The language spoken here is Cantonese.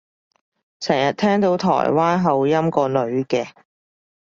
成日聽到台灣口音個女嘅